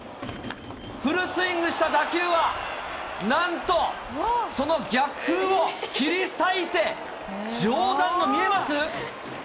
フルスイングした打球は、なんとその逆風を切り裂いて、上段の、見えます？